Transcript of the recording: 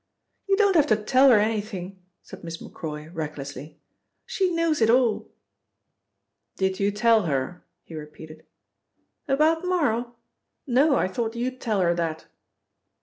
"You don't have to tell her anything," said Miss Macroy recklessly. "She knows it all!" "Did you tell her?" he repeated. "About Marl? No, I thought you'd tell her that."